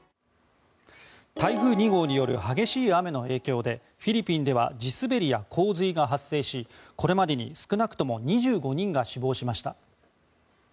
台風２号による激しい雨の影響でフィリピンでは地滑りや洪水が発生しこれまでに少なくとも２５人が死亡しました。